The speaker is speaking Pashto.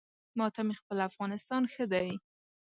ما ته مې خپل افغانستان ښه دی